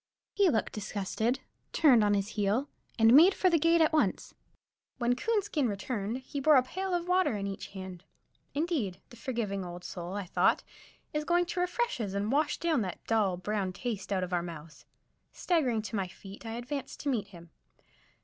He looked disgusted, turned on his heel, and made for the gate at once. When Coonskin returned, he bore a pail of water in each hand. Indeed, the forgiving old soul, I thought, is going to refresh us and wash that dull, brown taste out of our mouths. Staggering to my feet, I advanced to meet him.